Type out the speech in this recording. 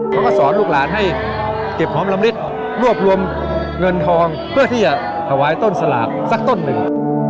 เขาก็สอนลูกหลานให้เก็บหอมลำลิดรวบรวมเงินทองเพื่อที่จะถวายต้นสลากสักต้นหนึ่ง